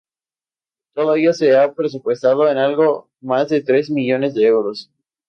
Todo ello se ha presupuestado en algo más de tres millones de euros.